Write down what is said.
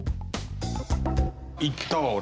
行ったわ俺。